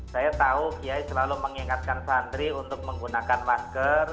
saya tahu kiai selalu mengingatkan santri untuk menggunakan masker